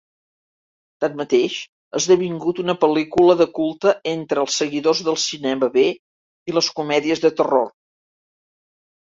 Tanmateix, ha esdevingut una pel·lícula de culte entre els seguidors del cinema B i les comèdies de terror.